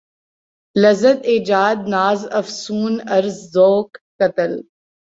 لذت ایجاد ناز افسون عرض ذوق قتل